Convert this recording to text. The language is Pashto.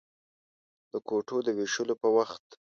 د کوټو د وېشلو په وخت.